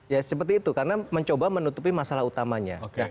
ya seperti itu karena mencoba menutupi masalah utamanya